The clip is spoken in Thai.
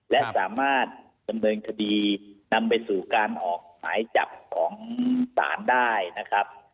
และสามารถดำเนินคดีนำไปสู่การออกหมายจับของศาลได้นะครับ